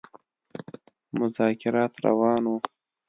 مذاکرات روان وه.